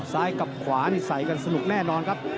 ซ้ายกับขวานี่ใส่กันสนุกแน่นอนครับ